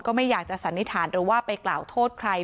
ไม่อยากจะสันนิษฐานหรือว่าไปกล่าวโทษใคร